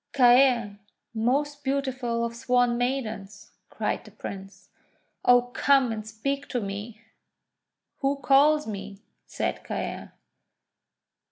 'Caer, most beautiful of Swan Maidens!' cried the Prince. ;<Oh, come and speak to me!' 'Who calls me?" said Caer.